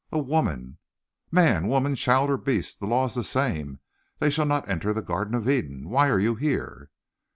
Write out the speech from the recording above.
"A woman " "Man, woman, child, or beast, the law is the same. They shall not enter the Garden of Eden. Why are you here?"